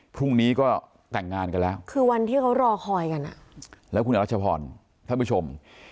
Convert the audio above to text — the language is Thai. พรุ่งนี้ก็แต่งงานกันแล้วคือวันที่เขารอคอยกันอ่ะแล้วคุณอรัชพรท่านผู้ชม